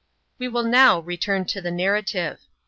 We will now return to the narrative.